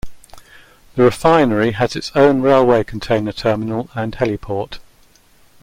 The refinery has its own railway container terminal and heliport.